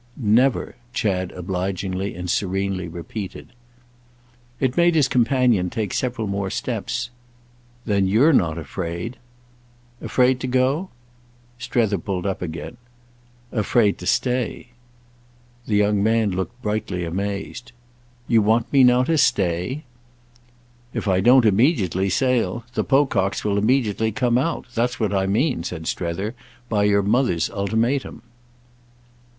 "Never," Chad obligingly and serenely repeated. It made his companion take several more steps. "Then you're not afraid." "Afraid to go?" Strether pulled up again. "Afraid to stay." The young man looked brightly amazed. "You want me now to 'stay'?" "If I don't immediately sail the Pococks will immediately come out. That's what I mean," said Strether, "by your mother's ultimatum."